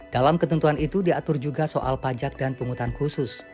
dalam ketentuan itu diatur juga soal pajak dan penghutang khusus